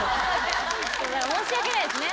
申し訳ないですね。